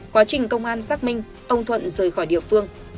quá trình công an xác minh ông thuận rời khỏi địa phương